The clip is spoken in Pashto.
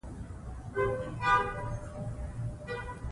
لوستې میندې د ماشومانو روغ ژوند ته لارښوونه کوي.